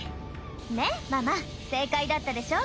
ねっママ正解だったでしょ